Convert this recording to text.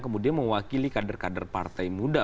kemudian mewakili kader kader partai muda